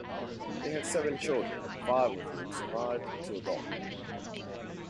They had seven children, five of whom survived to adulthood.